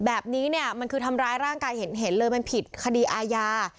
แบบนี้เนี่ยมันคือทำร้ายร่างกายเห็นเลยมันผิดคดีอาญา